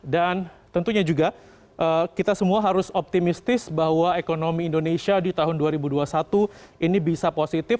dan tentunya juga kita semua harus optimistis bahwa ekonomi indonesia di tahun dua ribu dua puluh satu ini bisa positif